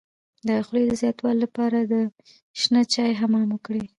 د خولې د زیاتوالي لپاره د شنه چای حمام وکړئ